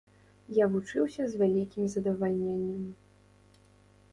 Я вучыўся з вялікім задавальненнем.